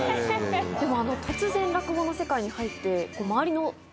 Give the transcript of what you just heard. でも突然落語の世界に入って。